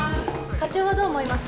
課長はどう思います？